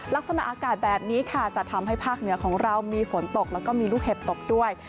ลักษณะอากาศแบบนี้ค่ะจะทำให้ภาคเหนือของเรามีฝนตกแล้วก็มีลูกเห็บตกด้วย